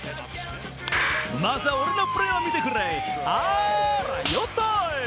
まずは俺のプレーを見てくれ、あらよっと。